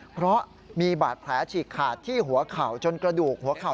เพราะมีบาดแผลฉีกขาดที่หัวเข่าจนกระดูกหัวเข่า